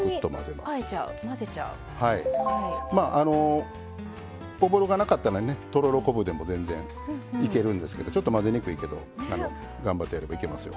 まああのおぼろがなかったらねとろろ昆布でも全然いけるんですけどちょっと混ぜにくいけど頑張ってやればいけますよ。